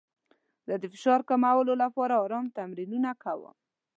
زه د فشار کمولو لپاره ارام تمرینونه کوم.